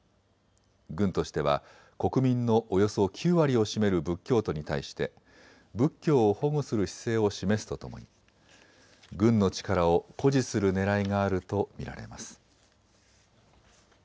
軍としては国民のおよそ９割を占める仏教徒に対して仏教を保護する姿勢を示すとともに軍の力を誇示するねらいがあると見られます。